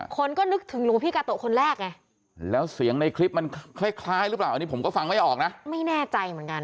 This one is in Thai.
คนก็นึกถึงหลวงพี่กาโตะคนแรกไงแล้วเสียงในคลิปมันคล้ายคล้ายหรือเปล่าอันนี้ผมก็ฟังไม่ออกนะไม่แน่ใจเหมือนกัน